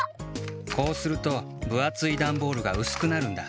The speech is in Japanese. こうするとぶあついダンボールがうすくなるんだ。